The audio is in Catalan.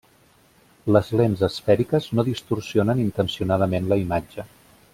Les lents esfèriques no distorsionen intencionadament la imatge.